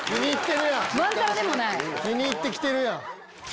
気に入ってきてるやん。